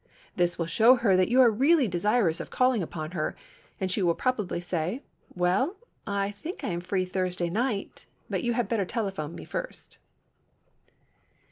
This will show her that you are really desirous of calling upon her and she will probably say, "Well, I think I am free Thursday night, but you had better telephone me first."